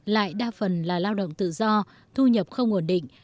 lại đa phần là lao động tự do thu nhập không ổn định